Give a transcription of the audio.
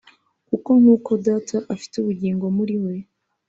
« kuko nk’uko Data afite ubugingo muri we